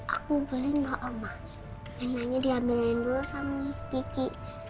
aku boleh gak omah mainannya diambilin dulu sama miss kiki